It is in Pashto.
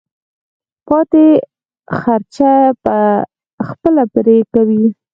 پاتې خرچه به خپله پرې کوې.